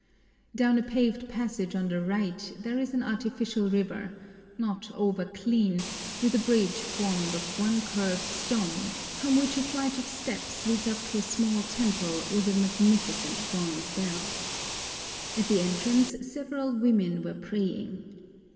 Down a paved passage on the right there is an artificial river, not over clean, with a bridge formed of one curved stone, from which a flight of steps leads up to a small temple with a magnificent bronze bell. At the entrance several women were praying.